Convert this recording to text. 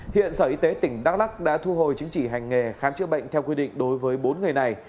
hiện sở y tế tỉnh đắk lắc đã thu hồi chứng chỉ hành nghề khám chữa bệnh theo quy định đối với bốn người này